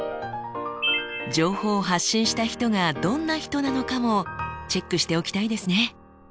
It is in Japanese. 情報を発信した人がどんな人なのかもチェックしておきたいですね。